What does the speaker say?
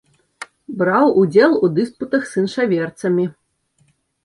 Браў удзел у дыспутах з іншаверцамі.